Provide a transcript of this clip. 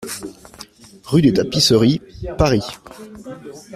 RUE DES TAPISSERIES, Paris